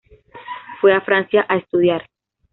Fue a Francia a estudiar.